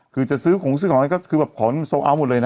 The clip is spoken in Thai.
คือจะซื้อของซื้อของนั้นก็คือของนี้มันโซลอัลหมดเลย